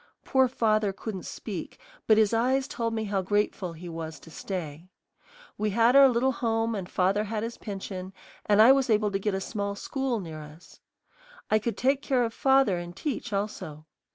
Poor father couldn't speak, but his eyes told me how grateful he was to stay. We had our little home and father had his pension, and I was able to get a small school near us. I could take care of father and teach also.